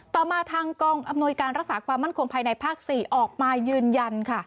ต่อมาทางกองอำนวยการรักษาความมั่นคงภายในภาค๔ออกมายืนยันค่ะ